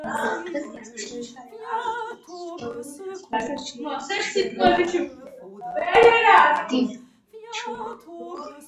Однако ясно, что нельзя навязать политическую волю государствам-членам.